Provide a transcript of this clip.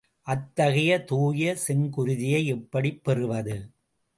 அத்தகைய தூய செங்குருதியை எப்படி பெறுவது?